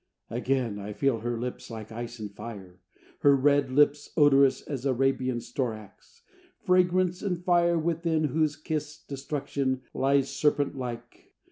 Again I feel her lips like ice and fire, Her red lips, odorous as Arabian storax, Fragrance and fire, within whose kiss destruction Lies serpent like.